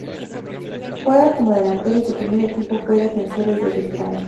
Juega como delantero y su primer equipo fue Defensores de Belgrano.